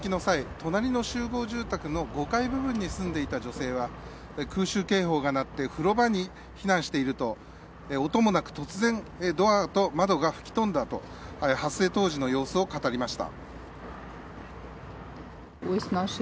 隣の集合住宅の５階部分に住んでいた女性は空襲警報が鳴って風呂場に避難していると音もなく突然、ドアと窓が吹き飛んだと発生当時の様子を語りました。